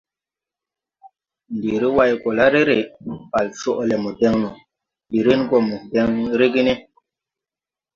Ndi re Way go la re re, Bale coʼ le mo deŋ no, ndi ren go mo deŋ re ge ne?